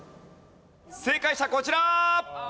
正解者こちら！